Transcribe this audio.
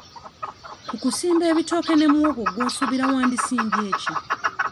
Ku kusimba ebitooke ne muwogo gwe osuubira wandisimbye ki?